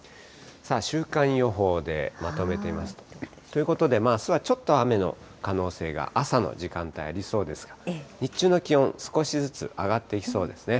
さあ、週間予報でまとめてみますと、ということで、あすはちょっと雨の可能性が、朝の時間帯ありそうですが、日中の気温、少しずつ上がっていきそうですね。